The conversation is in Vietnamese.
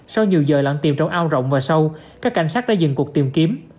sau nhiều giờ lặng tìm trong ao rộng và sâu các cảnh sát đã dừng cuộc tìm kiếm